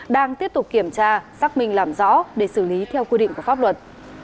đang tiếp tục kiểm tra xác minh làm rõ để xử lý theo quy định của pháp luật